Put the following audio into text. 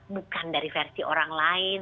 bukan dari versi orang lain